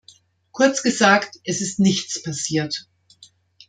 Kurz gesagt, es ist nichts passiert.